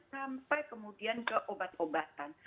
sampai kemudian ke obat obatan